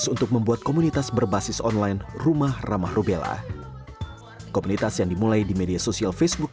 untuk membuat komunitas berbasis online rumah ramah rubella komunitas yang dimulai di media sosial facebook